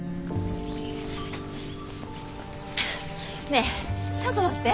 ねえちょっと待って。